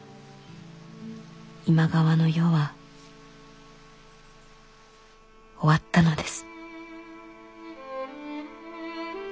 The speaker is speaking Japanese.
今川の世は終わったのです」。